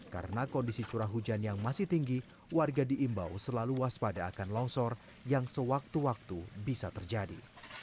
karena kondisi curah hujan yang masih tinggi warga di imbau selalu waspada akan longsor yang sewaktu waktu bisa terjadi